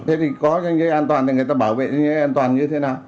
thế thì có danh chế an toàn thì người ta bảo vệ danh chế an toàn như thế nào